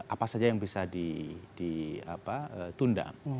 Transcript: apa saja yang bisa ditunda